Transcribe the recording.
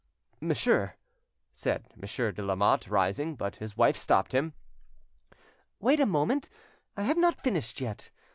"Monsieur—" said Monsieur de Lamotte, rising. But his wife stopped him. "Wait a moment; I have not finished yet.